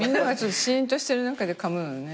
しんとしてる中でかむのね。